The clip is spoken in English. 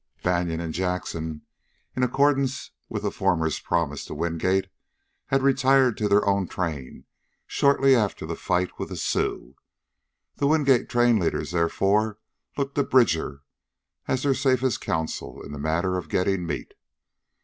Banion and Jackson, in accordance with the former's promise to Wingate, had retired to their own train shortly after the fight with the Sioux. The Wingate train leaders therefore looked to Bridger as their safest counsel in the matter of getting meat.